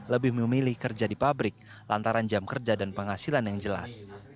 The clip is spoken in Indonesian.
lebih memilih kerja di pabrik lantaran jam kerja dan penghasilan yang jelas